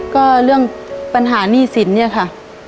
ก็เรื่องปัญหาหนี้สินเนี่ยค่ะ